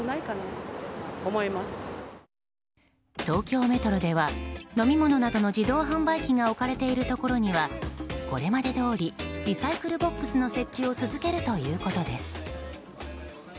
東京メトロでは飲み物などの自動販売機が置かれているところにはこれまでどおりリサイクルボックスの設置をつづけるということです。